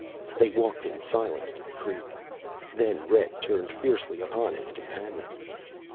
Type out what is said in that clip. They walked in silence to the creek. Then Red turned fiercely upon his companion.